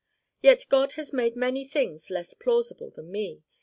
Yet God has made many things less plausible than me.